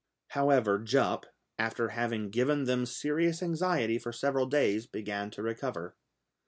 However Jup, after having given them serious anxiety for several days, began to recover.